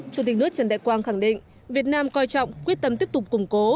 chủ tịch nước trần đại quang khẳng định việt nam coi trọng quyết tâm tiếp tục củng cố